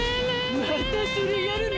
またそれやるの？